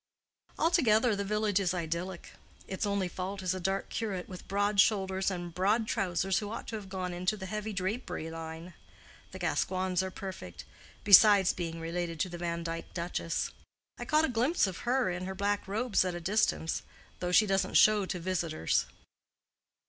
Altogether, the village is idyllic. Its only fault is a dark curate with broad shoulders and broad trousers who ought to have gone into the heavy drapery line. The Gascoignes are perfect—besides being related to the Vandyke duchess. I caught a glimpse of her in her black robes at a distance, though she doesn't show to visitors."